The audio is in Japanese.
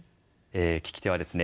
聞き手はですね